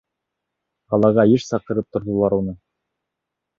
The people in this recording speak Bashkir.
Ҡалаға йыш саҡырып торҙолар уны.